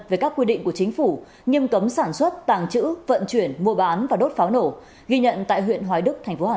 về các quy định của chính phủ nghiêm cấm sản xuất tàng trữ vận chuyển mua bán và đốt pháo nổ ghi nhận tại huyện hoài đức thành phố hà